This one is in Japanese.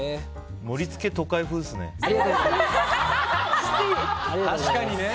盛り付け、都会風ですね。